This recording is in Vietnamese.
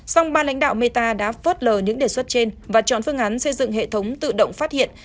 song ba lãnh đạo meta đã phớt lờ những đề xuất trên và chọn phương án xây dựng hệ thống tự động phát hiện